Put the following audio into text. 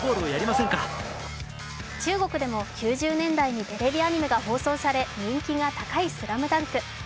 中国でも９０年代にテレビアニメで放送され、人気が高い「ＳＬＡＭＤＵＮＫ」。